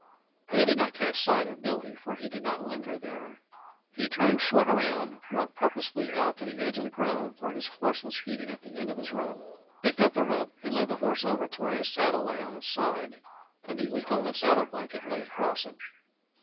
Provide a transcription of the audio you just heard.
They did not catch sight of Billy for he did not linger there. He turned short around, walked purposefully out to the edge of the grove where his horse was feeding at the end of his rope, picked up the rope and led the horse over to where his saddle lay on its side, the neatly folded saddle blanket laid across it.